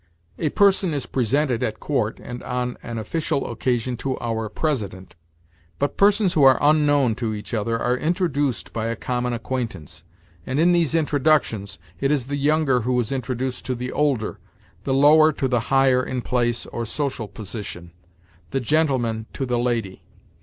A person is presented at court, and on an official occasion to our President; but persons who are unknown to each other are introduced by a common acquaintance. And in these introductions, it is the younger who is introduced to the older; the lower to the higher in place or social position; the gentleman to the lady.